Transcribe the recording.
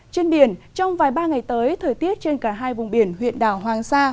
trên biển trong vài ba ngày tới thời tiết trên cả hai vùng biển huyện đảo hoàng sa